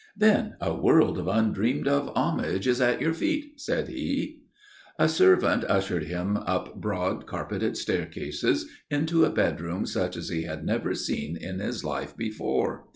"Then a world of undreamed of homage is at your feet," said he. A servant ushered him up broad, carpeted staircases into a bedroom such as he had never seen in his life before.